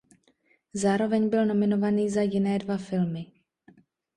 Zároveň byl nominovaný za jiné dva filmy.